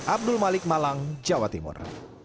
abdul malik malang jawa timur